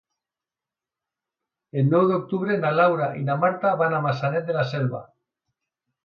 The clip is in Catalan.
El nou d'octubre na Laura i na Marta van a Maçanet de la Selva.